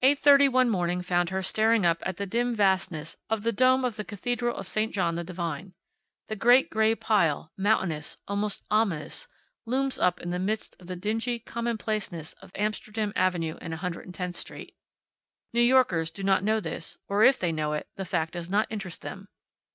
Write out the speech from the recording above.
Eight thirty one morning found her staring up at the dim vastness of the dome of the cathedral of St. John the Divine. The great gray pile, mountainous, almost ominous, looms up in the midst of the dingy commonplaceness of Amsterdam avenue and 110th street. New Yorkers do not know this, or if they know it, the fact does not interest them.